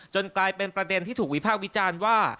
กลายเป็นประเด็นที่ถูกวิพากษ์วิจารณ์ว่า